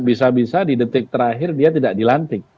bisa bisa di detik terakhir dia tidak dilantik